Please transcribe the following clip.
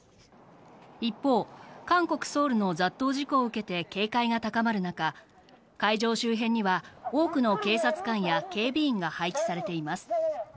一方韓国ソウルの雑踏事故を受けて警戒が高まる中会場周辺には多くの警察官や警備員が配置されています。